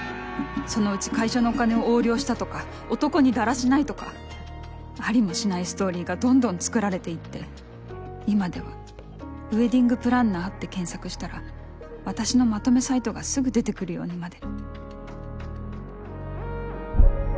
そのうち会社のお金を横領したとか男にだらしないとかありもしないストーリーがどんどん作られていって今ではウェディングプランナーって検索したら私のまとめサイトがすぐ出てくるようにまで。